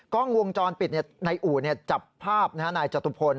กล้องวงจรปิดในอู่จับภาพนายจตุพล